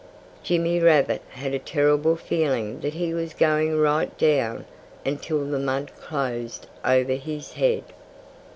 Jimmy Rabbit had a terrible feeling that he was going right down until the mud closed over his head.